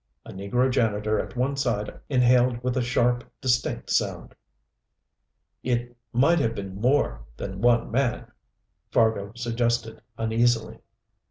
A negro janitor at one side inhaled with a sharp, distinct sound. "It might have been more than one man," Fargo suggested uneasily.